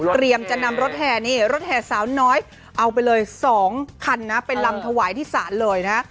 จะนำรถแห่นี่รถแห่สาวน้อยเอาไปเลย๒คันนะไปลำถวายที่ศาลเลยนะ